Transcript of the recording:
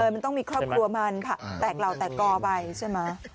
มันต้องมีครอบครัวมันแตกเหล่าแตกกอไปใช่ไหม